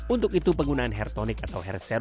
untuk itu saya beri pengetahuan kepada dokter